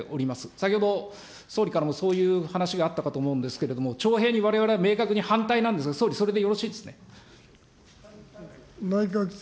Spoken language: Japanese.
先ほど、総理からも、そういう話があったかと思うんですけれども徴兵にわれわれは明確に反対なんですが、総理、それでよろしいですね。